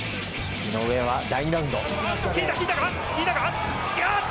井上は、第２ラウンド。